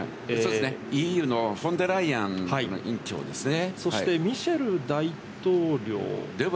ＥＵのフォン・デア・ライエン委員長ですね。